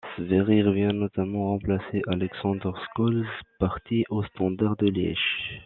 Sverrir vient notamment remplacer Alexander Scholz, parti au Standard de Liège.